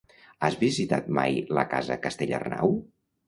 Has visitat mai la Casa Castellarnau?